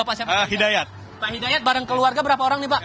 pak hidayat bareng keluarga berapa orang nih pak